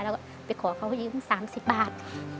เราก็ไปขอเขาหิว๓๐บาท